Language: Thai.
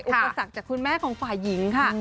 อุปสรรคจากคุณแม่ของฝ่ายหญิงค่ะ